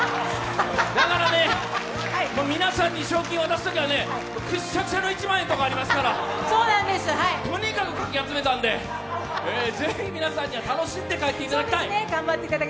だから、皆さんに賞金を渡すときはくっしゃくしゃの一万円とかありますからとにかくかき集めたんで、是非皆さんには楽しんで帰っていただきたい。